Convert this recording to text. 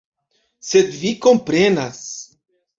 Sed vi komprenas.